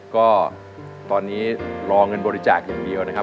ก็ตอนนี้รอเงินบริจาคอย่างเดียวนะครับ